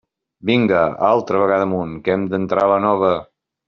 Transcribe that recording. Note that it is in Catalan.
Vinga, altra vegada amunt, que hem d'entrar la nova.